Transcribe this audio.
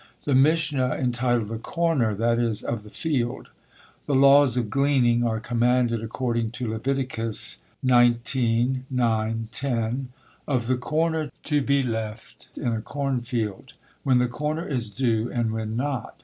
The Mishna, entitled the Corner, i.e. of the field. The laws of gleaning are commanded according to Leviticus; xix. 9, 10. Of the corner to be left in a corn field. When the corner is due and when not.